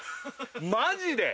マジで⁉